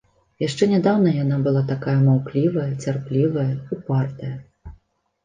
Яшчэ нядаўна яна была такая маўклівая, цярплівая, упартая.